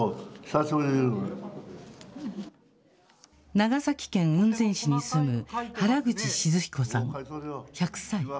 長崎県雲仙市に住む原口静彦さん１００歳。